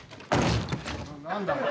何だ。